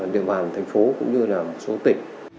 địa bàn thành phố cũng như là một số tỉnh